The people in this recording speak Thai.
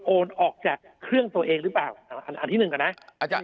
โอนออกจากเครื่องตัวเองหรือเปล่าอันที่หนึ่งก่อนนะอาจารย์